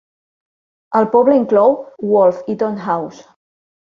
El poble inclou Wolfeton House.